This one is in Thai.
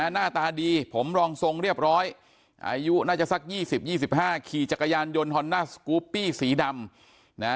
หน้าตาดีผมรองทรงเรียบร้อยอายุน่าจะสัก๒๐๒๕ขี่จักรยานยนต์ฮอนนาสกูปปี้สีดำนะ